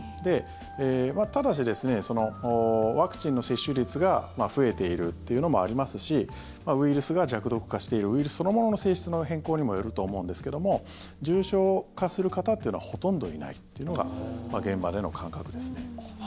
ただし、ワクチンの接種率が増えているというのもありますしウイルスが弱毒化しているウイルスそのものの性質の変更にもよると思うんですけども重症化する方っていうのはほとんどいないというのが現場での感覚ですね。